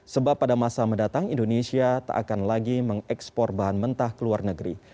sebab pada masa mendatang indonesia tak akan lagi mengekspor bahan mentah ke luar negeri